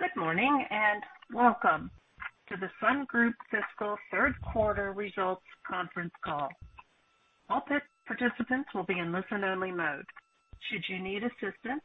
Good morning, and welcome to the Star Group Fiscal Third Quarter Results Conference Call. All participants will be in listen-only mode. Should you need assistance,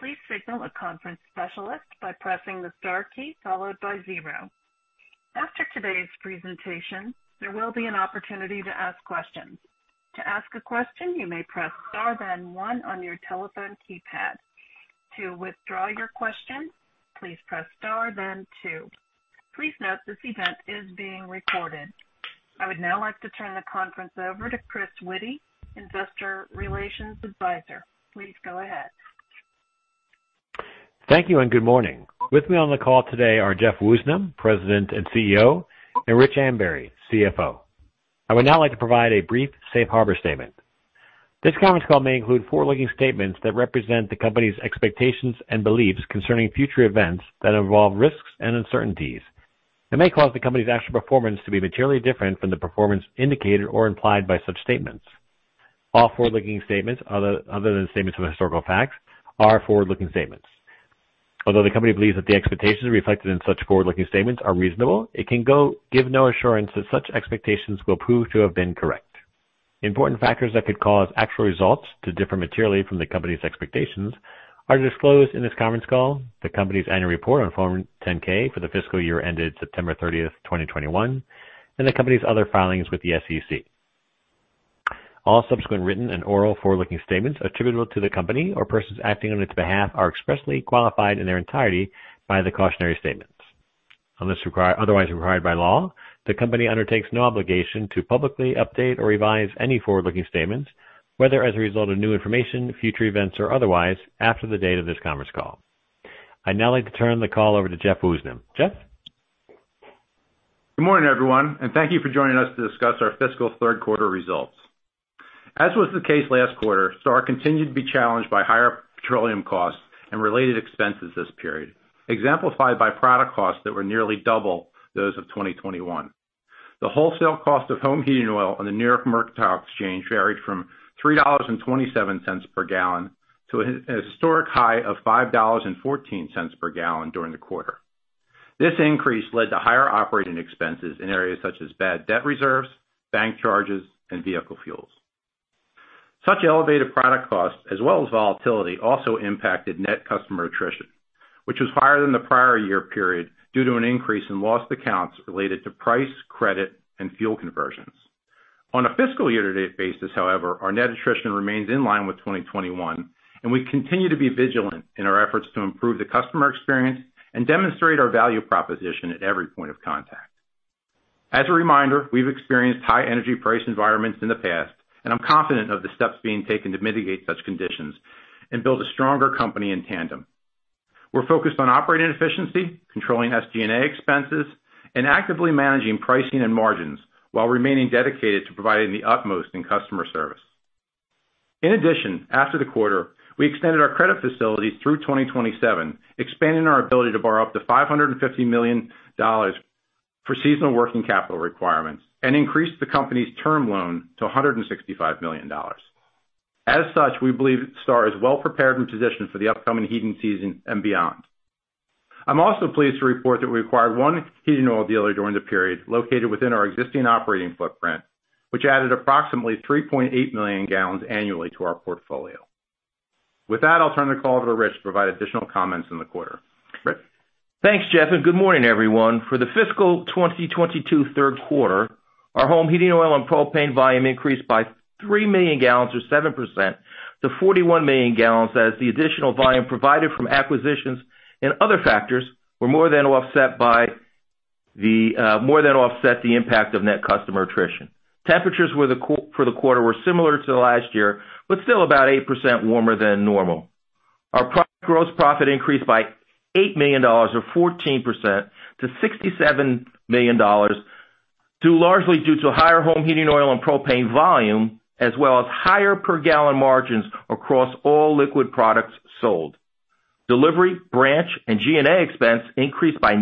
please signal a conference specialist by pressing the star key followed by zero. After today's presentation, there will be an opportunity to ask questions. To ask a question, you may press Star then one on your telephone keypad. To withdraw your question, please press Star then two. Please note this event is being recorded. I would now like to turn the conference over to Chris Witty, Investor Relations advisor. Please go ahead. Thank you and good morning. With me on the call today are Jeff Woosnam, President and CEO, and Rich Ambury, CFO. I would now like to provide a brief safe harbor statement. This conference call may include forward-looking statements that represent the company's expectations and beliefs concerning future events that involve risks and uncertainties that may cause the company's actual performance to be materially different from the performance indicated or implied by such statements. All forward-looking statements other than statements of historical facts are forward-looking statements. Although the company believes that the expectations reflected in such forward-looking statements are reasonable, it can give no assurance that such expectations will prove to have been correct. Important factors that could cause actual results to differ materially from the company's expectations are disclosed in this conference call, the company's annual report on Form 10-K for the fiscal year ended September 30, 2021, and the company's other filings with the SEC. All subsequent written and oral forward-looking statements attributable to the company or persons acting on its behalf are expressly qualified in their entirety by the cautionary statements. Unless otherwise required by law, the company undertakes no obligation to publicly update or revise any forward-looking statements, whether as a result of new information, future events, or otherwise, after the date of this conference call. I'd now like to turn the call over to Jeff Woosnam. Jeff? Good morning, everyone, and thank you for joining us to discuss our fiscal third quarter results. As was the case last quarter, STAR continued to be challenged by higher petroleum costs and related expenses this period, exemplified by product costs that were nearly double those of 2021. The wholesale cost of home heating oil on the New York Mercantile Exchange varied from $3.27 per gallon to a historic high of $5.14 per gallon during the quarter. This increase led to higher operating expenses in areas such as bad debt reserves, bank charges, and vehicle fuels. Such elevated product costs, as well as volatility, also impacted net customer attrition, which was higher than the prior year period due to an increase in lost accounts related to price, credit, and fuel conversions. On a fiscal year-to-date basis, however, our net attrition remains in line with 2021, and we continue to be vigilant in our efforts to improve the customer experience and demonstrate our value proposition at every point of contact. As a reminder, we've experienced high energy price environments in the past, and I'm confident of the steps being taken to mitigate such conditions and build a stronger company in tandem. We're focused on operating efficiency, controlling SG&A expenses, and actively managing pricing and margins while remaining dedicated to providing the utmost in customer service. In addition, after the quarter, we extended our credit facilities through 2027, expanding our ability to borrow up to $550 million for seasonal working capital requirements and increased the company's term loan to $165 million. As such, we believe Star is well prepared and positioned for the upcoming heating season and beyond. I'm also pleased to report that we acquired one heating oil dealer during the period located within our existing operating footprint, which added approximately 3.8 million gallons annually to our portfolio. With that, I'll turn the call over to Rich to provide additional comments in the quarter. Rich? Thanks, Jeff, and good morning, everyone. For the fiscal 2022 third quarter, our home heating oil and propane volume increased by 3 million gallons or 7% to 41 million gallons as the additional volume provided from acquisitions and other factors more than offset the impact of net customer attrition. Temperatures for the quarter were similar to last year, but still about 8% warmer than normal. Our gross profit increased by $8 million or 14% to $67 million, due largely to higher home heating oil and propane volume, as well as higher per gallon margins across all liquid products sold. Delivery, branch, and SG&A expense increased by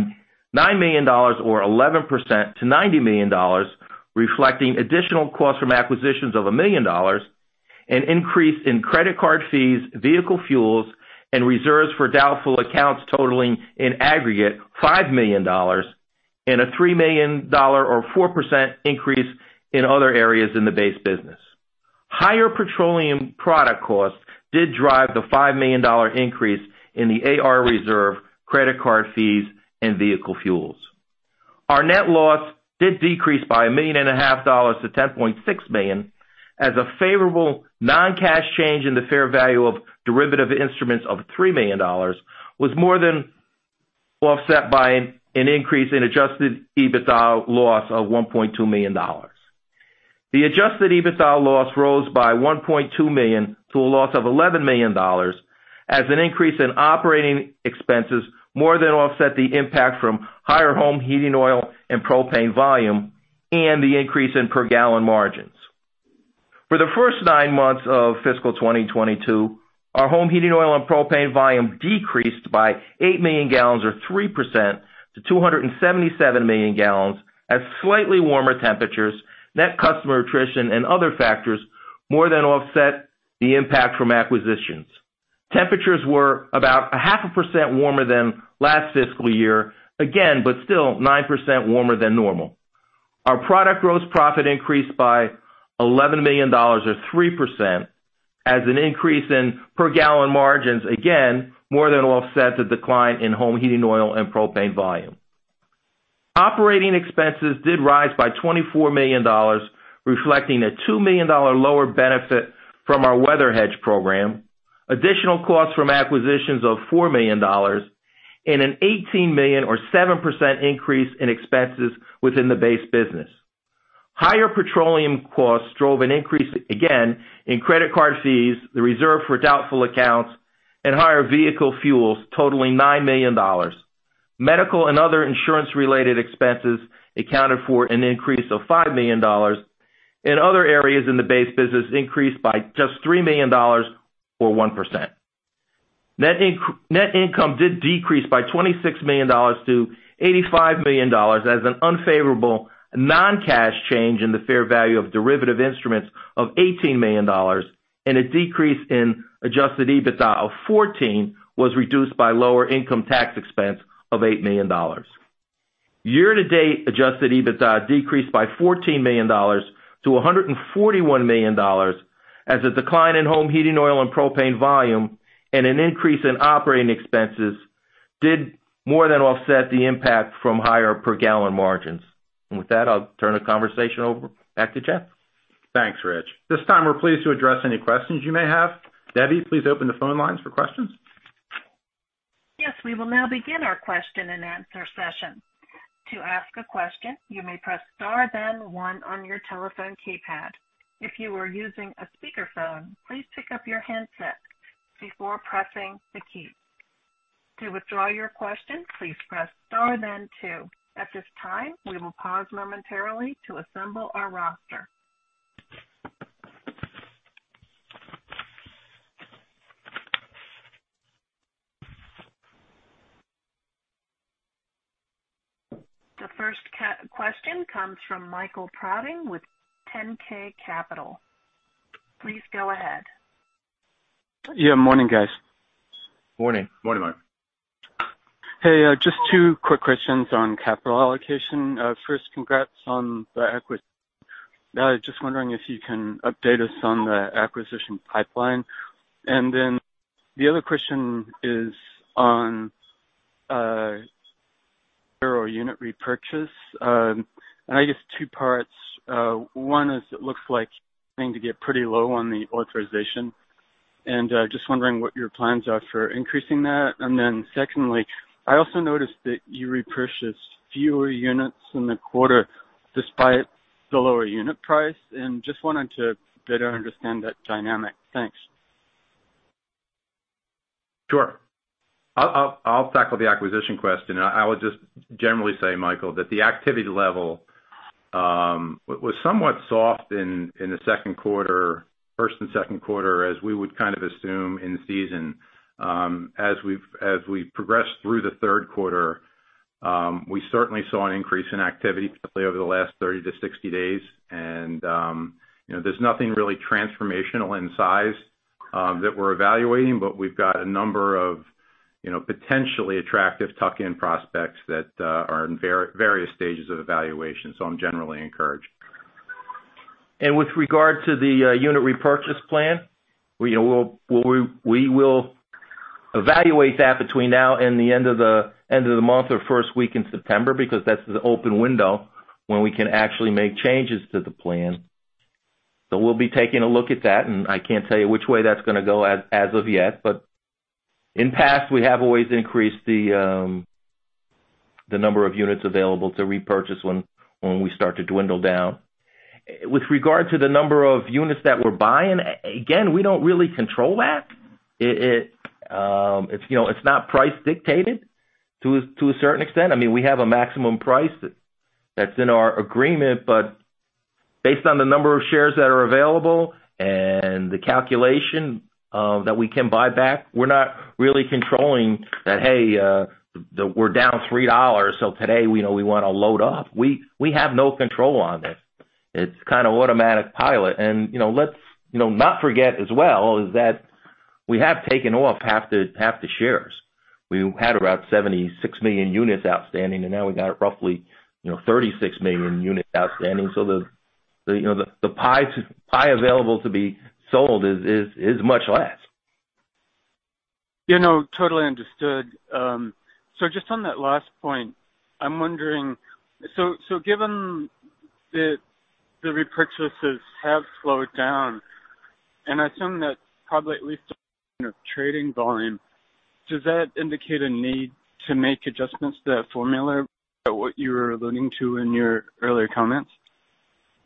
$9 million or 11% to $90 million, reflecting additional costs from acquisitions of $1 million, an increase in credit card fees, vehicle fuels, and reserves for doubtful accounts totaling in aggregate $5 million and a $3 million or 4% increase in other areas in the base business. Higher petroleum product costs did drive the $5 million increase in the AR reserve, credit card fees, and vehicle fuels. Our net loss did decrease by $1.5 million to $10.6 million as a favorable non-cash change in the fair value of derivative instruments of $3 million was more than offset by an increase in adjusted EBITDA loss of $1.2 million. The adjusted EBITDA loss rose by $1.2 million to a loss of $11 million as an increase in operating expenses more than offset the impact from higher home heating oil and propane volume and the increase in per gallon margins. For the first nine months of fiscal 2022, our home heating oil and propane volume decreased by 8 million gallons or 3% to 277 million gallons as slightly warmer temperatures, net customer attrition and other factors more than offset the impact from acquisitions. Temperatures were about 0.5% warmer than last fiscal year again, but still 9% warmer than normal. Our product gross profit increased by $11 million, or 3% as an increase in per gallon margins again, more than offset the decline in home heating oil and propane volume. Operating expenses did rise by $24 million, reflecting a $2 million lower benefit from our weather hedge program, additional costs from acquisitions of $4 million and an $18 million or 7% increase in expenses within the base business. Higher petroleum costs drove an increase again in credit card fees, the reserve for doubtful accounts and higher vehicle fuels totaling $9 million. Medical and other insurance related expenses accounted for an increase of $5 million and other areas in the base business increased by just $3 million, or 1%. Net income did decrease by $26 million to $85 million as an unfavorable non-cash change in the fair value of derivative instruments of $18 million and a decrease in Adjusted EBITDA of 14 was reduced by lower income tax expense of $8 million. Year to date adjusted EBITDA decreased by $14 million to $141 million as a decline in home heating oil and propane volume and an increase in operating expenses did more than offset the impact from higher per gallon margins. With that, I'll turn the conversation over, back to Jeff. Thanks, Rich. This time we're pleased to address any questions you may have. Debbie, please open the phone lines for questions. Yes, we will now begin our question and answer session. To ask a question, you may press star then one on your telephone keypad. If you are using a speaker phone, please pick up your handset before pressing the key. To withdraw your question, please press star then two. At this time, we will pause momentarily to assemble our roster. The first question comes from Michael Prouting with 10K Capital. Please go ahead. Yeah, morning guys. Morning. Morning, Mike. Hey, just two quick questions on capital allocation. First, congrats. Just wondering if you can update us on the acquisition pipeline. Then the other question is on share or unit repurchase. I guess two parts. One is, it looks like you're going to get pretty low on the authorization. Just wondering what your plans are for increasing that. Then secondly, I also noticed that you repurchased fewer units in the quarter despite the lower unit price and just wanted to better understand that dynamic. Thanks. Sure. I'll tackle the acquisition question. I would just generally say, Michael, that the activity level was somewhat soft in the first and second quarter as we would kind of assume offseason. As we progress through the third quarter, we certainly saw an increase in activity particularly over the last 30-60 days. You know, there's nothing really transformational in size that we're evaluating, but we've got a number of, you know, potentially attractive tuck-in prospects that are in various stages of evaluation. I'm generally encouraged. With regard to the unit repurchase plan, you know, we will evaluate that between now and the end of the month or first week in September because that's the open window when we can actually make changes to the plan. We'll be taking a look at that, and I can't tell you which way that's gonna go as of yet. In the past, we have always increased the number of units available to repurchase when we start to dwindle down. With regard to the number of units that we're buying, again, we don't really control that. It, you know, it's not price dictated to a certain extent. I mean, we have a maximum price that's in our agreement, but based on the number of shares that are available and the calculation that we can buy back, we're not really controlling that, hey, we're down $3, so today we know we wanna load up. We have no control on this. It's kinda automatic pilot. You know, let's you know, not forget as well is that we have taken off half the shares. We had about 76 million units outstanding, and now we got roughly you know, 36 million units outstanding. So the you know, the pie available to be sold is much less. You know, totally understood. So just on that last point, I'm wondering, so given that the repurchases have slowed down, and I assume that's probably at least trading volume, does that indicate a need to make adjustments to that formula, what you were alluding to in your earlier comments?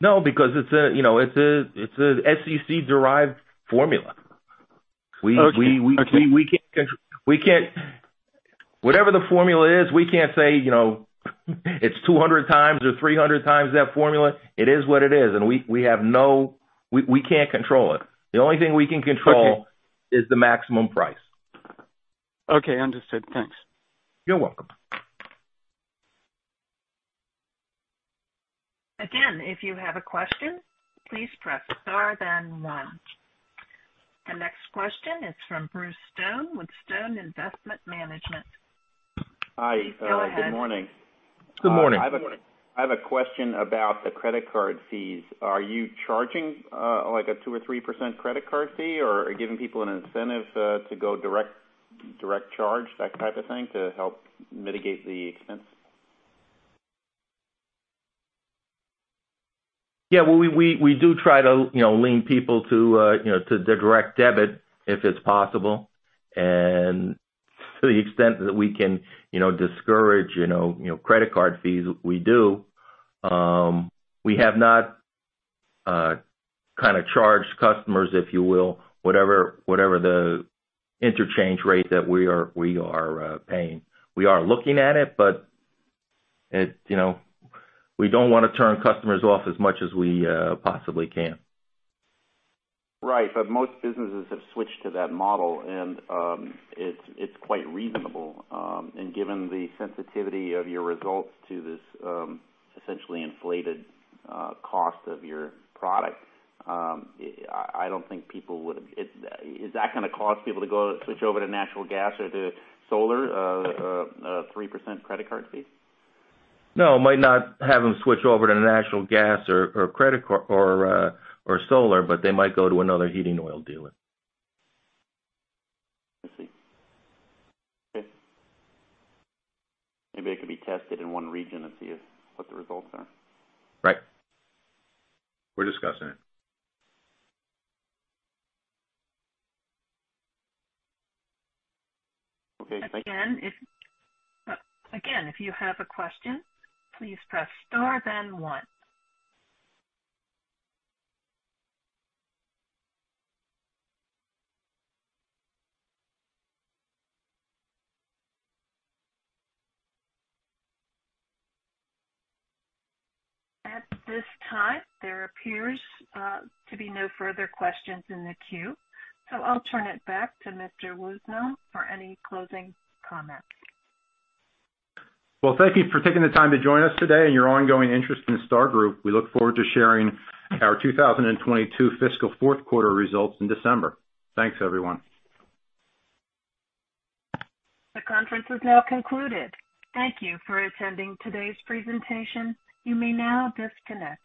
No, because it's a, you know, SEC-derived formula. Okay. We, we- Okay. We can't. Whatever the formula is, we can't say, you know, it's 200x or 300x that formula. It is what it is. We can't control it. The only thing we can control. Okay. is the maximum price. Okay, understood. Thanks. You're welcome. Again, if you have a question, please press star then one. The next question is from Bruce Stone with Stone Investment Management. Hi. Please go ahead. Good morning. Good morning. I have a question about the credit card fees. Are you charging like a 2%-3% credit card fee or are you giving people an incentive to go direct charge, that type of thing, to help mitigate the expense? Yeah. Well, we do try to, you know, lead people to, you know, to direct debit if it's possible. To the extent that we can, you know, discourage, you know, credit card fees, we do. We have not kinda charged customers, if you will, whatever the interchange rate that we are paying. We are looking at it, but it. You know, we don't wanna turn customers off as much as we possibly can. Right. Most businesses have switched to that model and, it's quite reasonable. Given the sensitivity of your results to this, essentially inflated cost of your product, is that gonna cause people to go switch over to natural gas or to solar, a 3% credit card fee? No, it might not have them switch over to natural gas or credit card or solar, but they might go to another heating oil dealer. I see. Okay. Maybe it could be tested in one region and see what the results are. Right. We're discussing it. If you have a question, please press star then one. At this time, there appears to be no further questions in the queue, so I'll turn it back to Mr. Woosnam for any closing comments. Well, thank you for taking the time to join us today and your ongoing interest in Star Group. We look forward to sharing our 2022 fiscal fourth quarter results in December. Thanks, everyone. The conference is now concluded. Thank you for attending today's presentation. You may now disconnect.